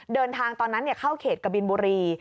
เดินทางตอนนั้นเนี่ยเข้าเขตกับบินบุรี